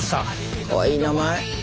かわいい名前。